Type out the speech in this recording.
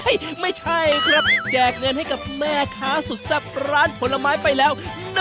ไม่ใช่ครับแจกเงินให้กับแม่ค้าสุดแซ่บร้านผลไม้ไปแล้ว